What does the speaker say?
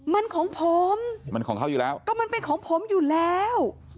มันของผมก็มันเป็นของผมอยู่แล้ว